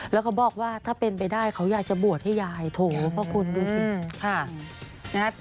แล้วเขาบอกว่าถ้าเป็นไปได้เขาอยากจะบวชให้ยายโถเพราะคุณดูสิ